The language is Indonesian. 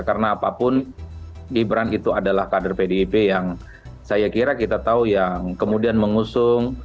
karena apapun gibran itu adalah kader pdip yang saya kira kita tahu yang kemudian mengusung